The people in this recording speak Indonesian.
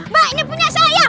mbak ini punya saya